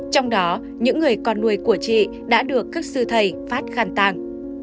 trong đó những người con nuôi của chị đã được các sư thầy phát khăn tàng